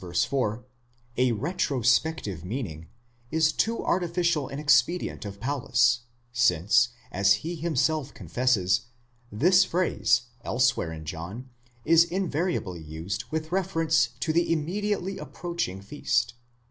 4), a retrospective meaning, is too artificial an expedient of Paulus, since, as he himself confesses,? this phrase, elsewhere in John, is in variably used with reference to the immediately approaching feast (ii.